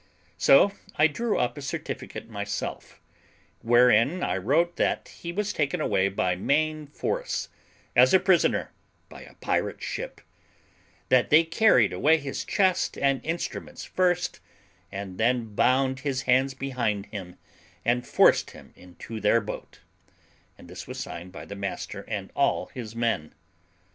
So I drew up a certificate myself, wherein I wrote that he was taken away by main force, as a prisoner, by a pirate ship; that they carried away his chest and instruments first, and then bound his hands behind him and forced him into their boat; and this was signed by the master and all his men.